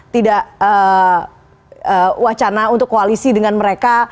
tidak wacana untuk koalisi dengan mereka